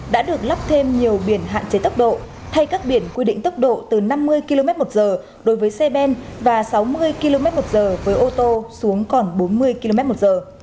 đã được lắp thêm nhiều biển hạn chế tốc độ thay các biển quy định tốc độ từ năm mươi km một giờ đối với xe ben và sáu mươi km một giờ với ô tô xuống còn bốn mươi km một giờ